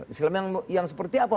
islam yang seperti apa